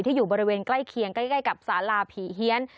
อยู่บริเวณใกล้เคียงใกล้กับสาราผีเฮียน